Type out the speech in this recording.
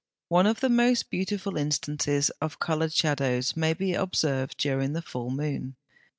One of the most beautiful instances of coloured shadows may be observed during the full moon.